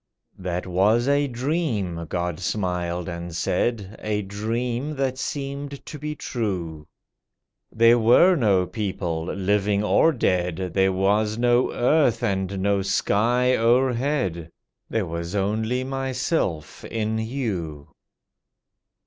"That was a dream," God smiled and said— "A dream that seemed to be true. There were no people, living or dead, There was no earth, and no sky o'erhead; There was only Myself—in you."